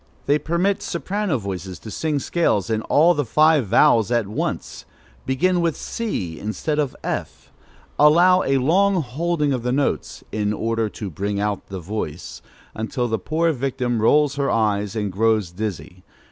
They permit soprano voices to sing scales in all the five vowels at once; begin with c instead of f; allow a long holding of the notes, "in order to bring out the voice," until the poor victim rolls her eyes and grows dizzy.